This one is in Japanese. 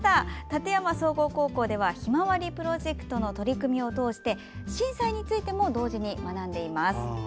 館山総合高校ではひまわりプロジェクトの取り組みを通して震災についても同時に学んでいます。